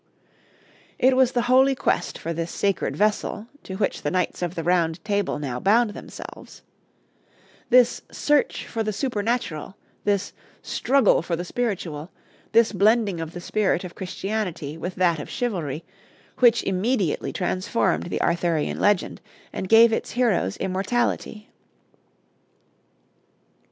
It was the holy quest for this sacred vessel, to which the knights of the Round Table now bound themselves, this "search for the supernatural," this "struggle for the spiritual," this blending of the spirit of Christianity with that of chivalry, which immediately transformed the Arthurian legend, and gave to its heroes immortality.